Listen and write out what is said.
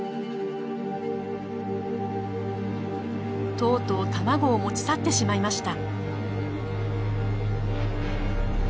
とうとう卵を持ち去ってしまいました。